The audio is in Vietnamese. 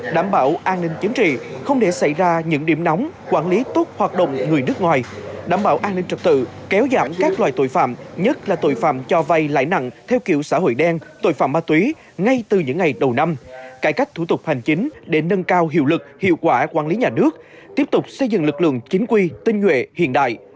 đảm bảo an ninh chính trị không để xảy ra những điểm nóng quản lý tốt hoạt động người nước ngoài đảm bảo an ninh trật tự kéo giảm các loài tội phạm nhất là tội phạm cho vay lãi nặng theo kiểu xã hội đen tội phạm ma túy ngay từ những ngày đầu năm cải cách thủ tục hành chính để nâng cao hiệu lực hiệu quả quản lý nhà nước tiếp tục xây dựng lực lượng chính quy tinh nguệ hiện đại